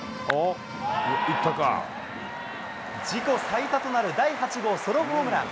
自己最多となる第８号ソロホームラン。